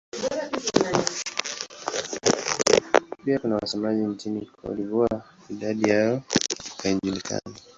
Pia kuna wasemaji nchini Cote d'Ivoire; idadi yao haijulikani.